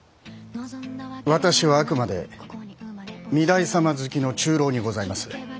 私はあくまで御台様付きの中臈にございます。